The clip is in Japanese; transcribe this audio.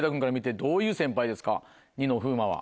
ニノ風磨は。